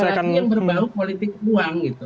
transaksi yang berbau politik uang gitu